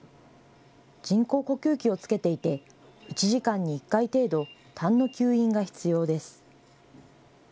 人工呼吸器をつけていて１時間に１回程度、たんの吸引が必要です。